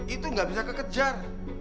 itu gak bisa kekejar